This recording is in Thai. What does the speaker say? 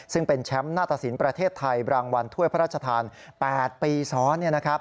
ซึ่งเป็นแชมป์หน้าตะสินประเทศไทยรางวัลถ้วยพระราชทาน๘ปีซ้อน